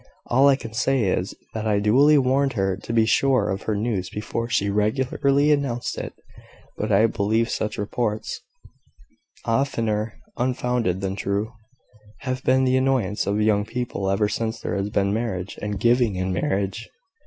All I can say is, that I duly warned her to be sure of her news before she regularly announced it. But I believe such reports oftener unfounded than true have been the annoyance of young people ever since there has been marriage and giving in marriage.